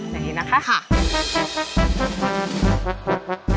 อย่างนี้นะคะ